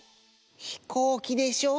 ひこうきでしょ